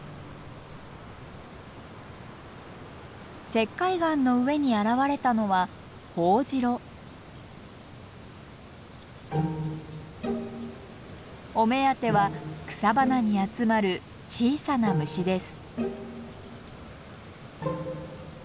石灰岩の上に現れたのはお目当ては草花に集まる小さな虫です。